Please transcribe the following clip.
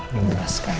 menggunakan anak kecil